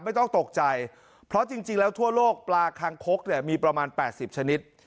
ไม่ต้องตกใจเพราะจริงแล้วทั่วโลกปลาคางคกเนี่ยมีประมาณ๘๐ชนิด